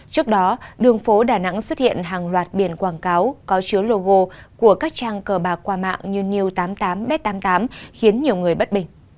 trước đó đường phố đà nẵng xuất hiện hàng loạt biển quảng cáo có chứa logo của các trang cờ bạc qua mạng như new tám mươi tám b tám mươi tám khiến nhiều người bất bình